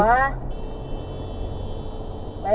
อ่ะอีหัว